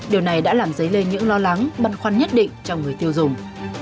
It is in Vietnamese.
điều này đã làm dấy lê những lo lắng băn khoăn nhất định trong người tiêu dùng